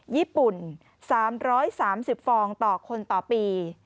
ญี่ปุ่น๓๓๐ฟองต่อคนต่อปี